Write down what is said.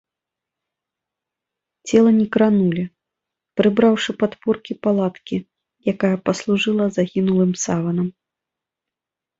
Цела не кранулі, прыбраўшы падпоркі палаткі, якая паслужыла загінулым саванам.